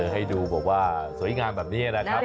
ให้ดูแบบว่าสวยงามแบบนี้นะครับ